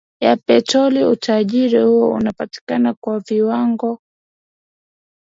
ya petroli Utajiri huo unapatikana kwa viwango